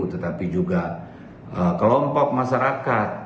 tetapi juga kelompok masyarakat